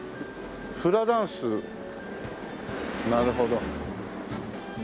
フラダンスなるほど。